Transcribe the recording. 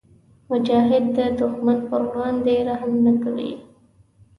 مجاهد د دښمن پر وړاندې رحم نه کوي.